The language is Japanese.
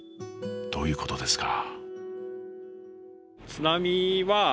どういうことですか？